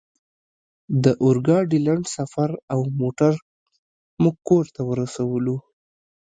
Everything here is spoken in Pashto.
د اورګاډي لنډ سفر او موټر موږ کور ته ورسولو